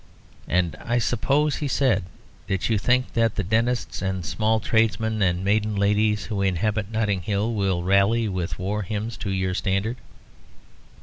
"And I suppose," he said, "that you think that the dentists and small tradesmen and maiden ladies who inhabit Notting Hill, will rally with war hymns to your standard?"